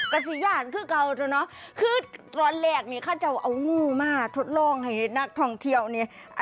ก็จะซีอ่านที่เอาอะไรนะก็จะตอนแรกข้าจะเอางู้มาทดลองให้นักท่องเที่ยวนี่